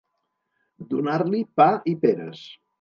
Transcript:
Donar-li pa i peres.